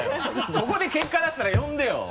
ここで結果出したら呼んでよ！